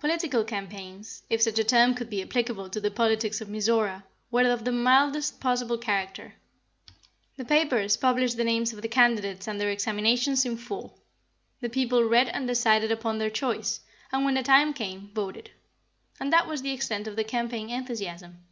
Political campaigns, (if such a term could be applicable to the politics of Mizora) were of the mildest possible character. The papers published the names of the candidates and their examinations in full. The people read and decided upon their choice, and, when the time came, voted. And that was the extent of the campaign enthusiasm.